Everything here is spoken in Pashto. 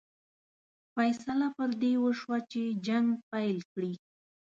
فیصله پر دې وشوه چې جنګ پیل کړي.